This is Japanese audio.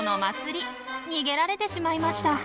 逃げられてしまいました。